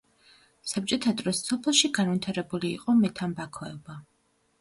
საბჭოთა დროს სოფელში განვითარებული იყო მეთამბაქოეობა.